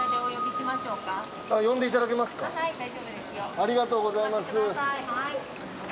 ありがとうございます。